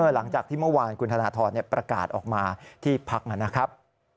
หลังจากที่เมื่อวานคุณธนทรประกาศออกมาที่พักนะครับ